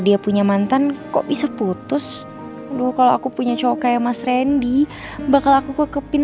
dia punya mantan kok bisa putus loh kalau aku punya cowok kayak mas randy bakal aku kekepin